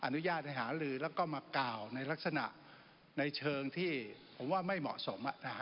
อนุญาตให้หาลือแล้วก็มากล่าวในลักษณะในเชิงที่ผมว่าไม่เหมาะสม